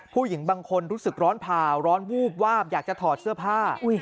ผู้หญิงบางคนรู้สึกร้อนผ่าร้อนวูบวาบอยากจะถอดเสื้อผ้า